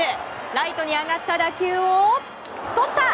ライトに上がった打球を取った！